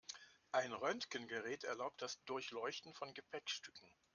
Ein Röntgengerät erlaubt das Durchleuchten von Gepäckstücken.